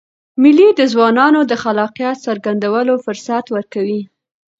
مېلې د ځوانانو د خلاقیت څرګندولو فرصت ورکوي.